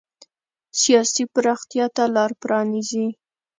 سیاسي پراختیا ته لار پرانېزي.